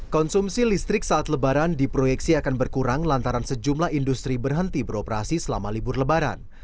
konsumsi listrik saat lebaran diproyeksi akan berkurang lantaran sejumlah industri berhenti beroperasi selama libur lebaran